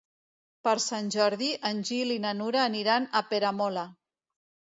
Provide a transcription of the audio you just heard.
Per Sant Jordi en Gil i na Nura aniran a Peramola.